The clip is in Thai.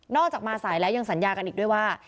จากมาสายแล้วยังสัญญากันอีกด้วยว่า